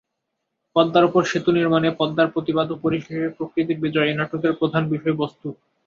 পদ্মার উপর সেতু নির্মাণে পদ্মার প্রতিবাদ ও পরিশেষে প্রকৃতির বিজয় এই নাটকের প্রধান বিষয়বস্তু।